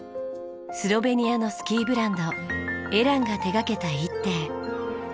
スロベニアのスキーブランドＥｌａｎが手掛けた一艇。